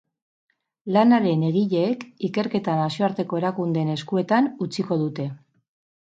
Lanaren egileek ikerketa nazioarteko erakundeen eskuetan utziko dute.